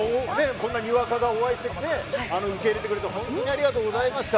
こんな、にわかが応援して受け入れてくれてありがとうございました。